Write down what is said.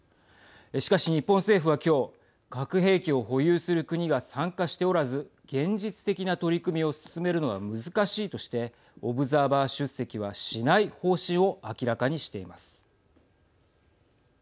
しかし、日本政府はきょう核兵器を保有する国が参加しておらず現実的な取り組みを進めるのは難しいとしてオブザーバー出席はしない方針を明らかにしています。